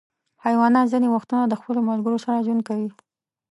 حیوانات ځینې وختونه د خپلو ملګرو سره ژوند کوي.